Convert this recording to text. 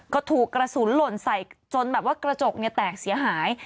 ก็ถูกกระสุนหล่นใส่จนแบบว่ากระจกแตกเสียหาย